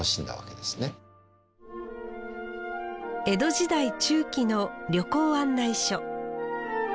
江戸時代中期の旅行案内書。